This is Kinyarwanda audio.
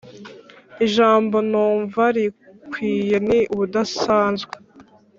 ijambo numva rikwiye ni ubudasazwe,